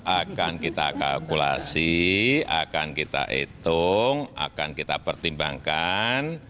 akan kita kalkulasi akan kita hitung akan kita pertimbangkan